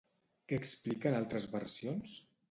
Què expliquen altres versions?